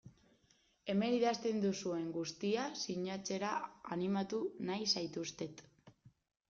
Hemen idazten duzuen guztia sinatzera animatu nahi zaituztet.